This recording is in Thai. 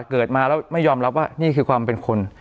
เกิดมาแล้วไม่ยอมรับว่านี่คือความเป็นคน